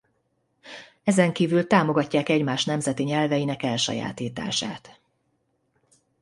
Ezenkívül támogatják egymás nemzeti nyelveinek elsajátítását.